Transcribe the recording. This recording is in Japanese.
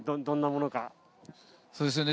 どんなものか。